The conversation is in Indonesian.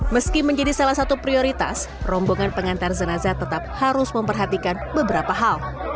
meski menjadi salah satu prioritas rombongan pengantar zanazah tetap harus memperhatikan beberapa hal